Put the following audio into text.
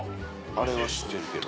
あれは知ってるけど。